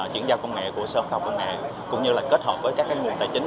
chuyển giao công nghệ của sơ phòng công nghệ cũng như là kết hợp với các nguồn tài chính